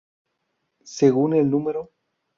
Según el Núm.